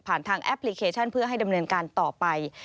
ทางแอปพลิเคชันเพื่อให้ดำเนินการต่อไป